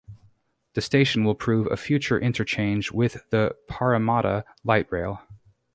The station will provide a future interchange with the Parramatta Light Rail.